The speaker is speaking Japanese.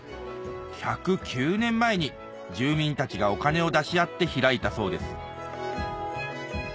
１０９年前に住民たちがお金を出し合って開いたそうです